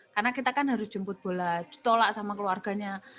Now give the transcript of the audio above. karena kita kan harus jemput bola ditolak sama keluarganya